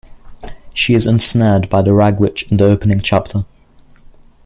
She is ensnared by the Ragwitch in the opening chapter.